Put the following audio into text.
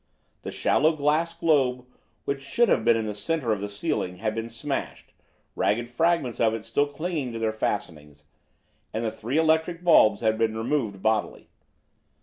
The shallow glass globe which should have been in the centre of the ceiling had been smashed, ragged fragments of it still clinging to their fastenings, and the three electric bulbs had been removed bodily.